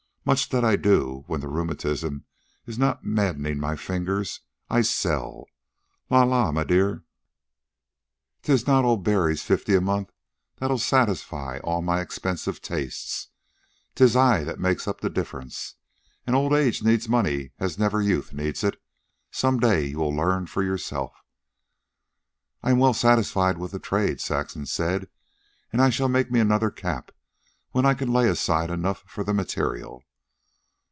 Much that I do, when the rheumatism is not maddening my fingers, I sell. La la, my dear, 'tis not old Barry's fifty a month that'll satisfy all my expensive tastes. 'Tis I that make up the difference. And old age needs money as never youth needs it. Some day you will learn for yourself." "I am well satisfied with the trade," Saxon said. "And I shall make me another cap when I can lay aside enough for the material."